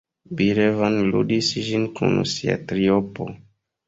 Bill Evans ludis ĝin kun sia triopo.